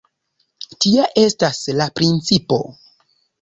Tia estas la principo.